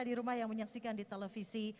di rumah yang menyaksikan di televisi